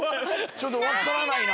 ちょっと分からないな。